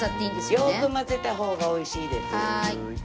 よく混ぜた方が美味しいです。